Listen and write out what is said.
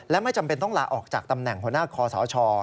และไม่จำเป็นต้องลาออกจากตำแหน่งหัวหน้าคอสช